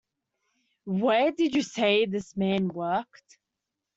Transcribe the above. Where did you say this man worked?